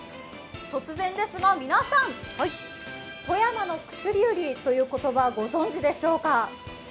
突然ですが皆さん、富山の薬売りという言葉、ご存じでしょうか。